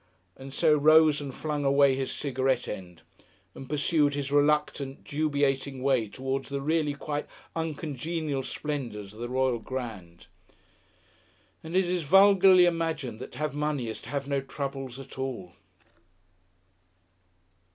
_" and so rose and flung away his cigarette end, and pursued his reluctant, dubiating way towards the really quite uncongenial splendours of the Royal Grand.... And it is vulgarly imagined that to have money is to have no troubles at all!